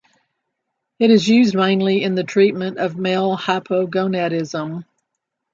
It is used mainly in the treatment of male hypogonadism.